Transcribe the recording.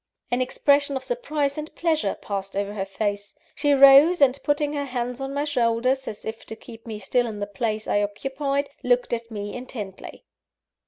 An expression of surprise and pleasure passed over her face; she rose, and putting her hands on my shoulders, as if to keep me still in the place I occupied, looked at me intently.